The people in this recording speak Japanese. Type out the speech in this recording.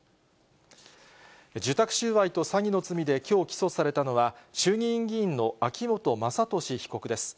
受託収賄と詐欺の罪できょう起訴されたのは、衆議院議員の秋本真利被告です。